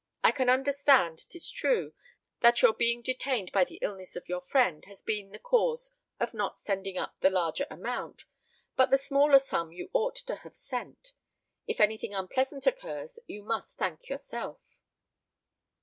I can understand 'tis true, that your being detained by the illness of your friend has been the cause of not sending up the larger amount, but the smaller sum you ought to have sent. If anything unpleasant occurs you must thank yourself.